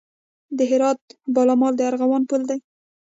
د هرات پل مالان د ارغوانو پل دی